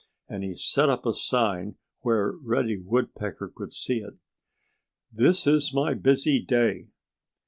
And he set up a sign where Reddy Woodpecker could see it: "This Is My Busy Day!"